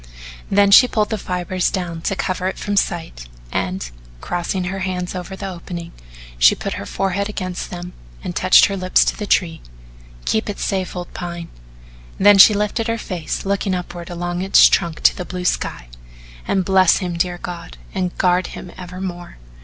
Then she pulled the fibres down to cover it from sight and, crossing her hands over the opening, she put her forehead against them and touched her lips to the tree. [Illustration: Keep it Safe Old Pine, Frontispiece] "Keep it safe, old Pine." Then she lifted her face looking upward along its trunk to the blue sky. "And bless him, dear God, and guard him evermore."